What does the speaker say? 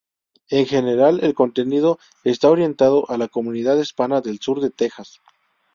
En general, el contenido está orientado a la comunidad hispana del sur de Texas.